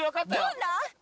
どんな？